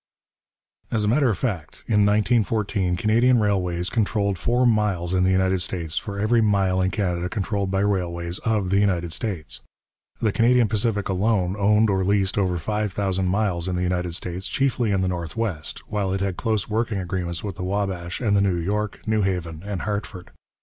[Illustration: Great Northern Railway, 1914] As a matter of fact, in 1914 Canadian railways controlled four miles in the United States for every mile in Canada controlled by railways of the United States. The Canadian Pacific alone owned or leased over five thousand miles in the United States, chiefly in the northwest, while it had close working agreements with the Wabash and the New York, New Haven and Hartford.